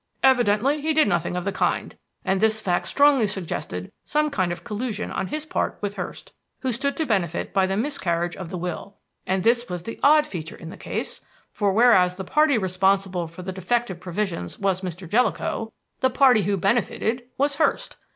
Evidently he did nothing of the kind, and this fact strongly suggested some kind of collusion on his part with Hurst, who stood to benefit by the miscarriage of the will. And this was the odd feature in the case, for whereas the party responsible for the defective provisions was Mr. Jellicoe, the party who benefited was Hurst.